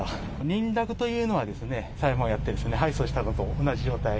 認諾というのは、裁判やって、敗訴したのと同じ状態。